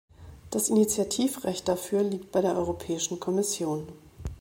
Das Initiativrecht dafür liegt bei der Europäischen Kommission.